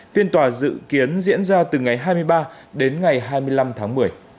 phiên tòa dự kiến diễn ra từ ngày hai mươi ba đến ngày hai mươi năm tháng một mươi